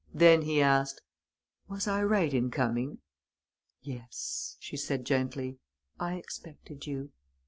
Then he asked: "Was I right in coming?" "Yes," she said, gently, "I expected you."